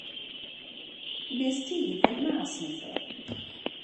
Wnest ti fynd mas neithiwr?